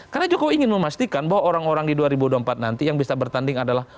karena jokowi ingin memastikan bahwa orang orang di dua ribu dua puluh empat nanti yang bisa bertanding adalah